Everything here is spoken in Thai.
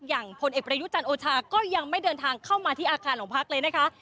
พลเอกประยุจันทร์โอชาก็ยังไม่เดินทางเข้ามาที่อาคารของพักเลยนะคะ